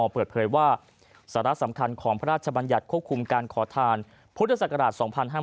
เปิดเผยว่าสาระสำคัญของพระราชบัญญัติควบคุมการขอทานพุทธศักราช๒๕๕๙